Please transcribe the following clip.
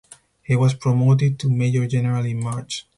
He was promoted to major general in March.